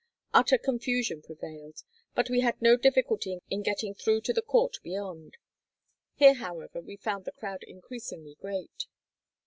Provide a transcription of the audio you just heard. Utter confusion prevailed, but we had no difficulty in getting through to the court beyond; here, however, we found the crowd increasingly great.